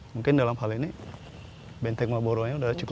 mungkin dalam hal ini benteng maboruanya sudah cukup tinggi